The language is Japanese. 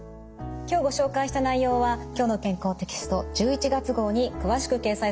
今日ご紹介した内容は「きょうの健康」テキスト１１月号に詳しく掲載されています。